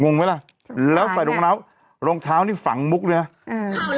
งไหมล่ะแล้วใส่รองเท้ารองเท้านี่ฝังมุกด้วยนะอืม